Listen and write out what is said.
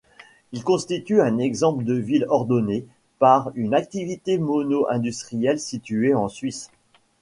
Il constitue un exemple de villes ordonnées par une activité mono-industrielle situé en Suisse.